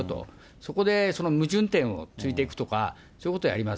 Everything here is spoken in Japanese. そこでその矛盾点をついていくとか、そういうことをやります。